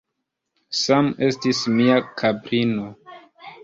Sam estis mia kaprino.